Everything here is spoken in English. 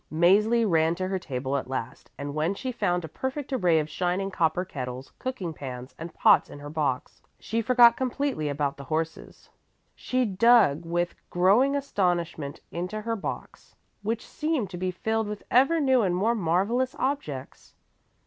Mäzli ran to her table at last and when she found a perfect array of shining copper kettles, cooking pans and pots in her box she forgot completely about the horses. She dug with growing astonishment into her box, which seemed to be filled with ever new and more marvellous objects.